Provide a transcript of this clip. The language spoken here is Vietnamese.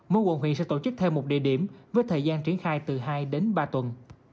mỗi quận huyện sẽ tổ chức thêm một địa điểm với thời gian triển khai từ hai đến ba tuần